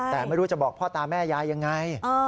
แต่ไม่รู้จะบอกพ่อตาแม่ยายยังไง